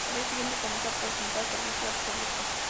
Al día siguiente comenzó a prestar servicio al público.